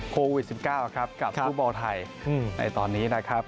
โควิด๑๙ครับกับฟุตบอลไทยในตอนนี้นะครับ